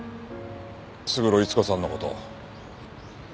勝呂伊津子さんの事。